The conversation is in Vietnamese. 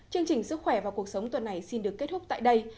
chương trình sức khỏe và cuộc sống tuần này xin được kết thúc tại đây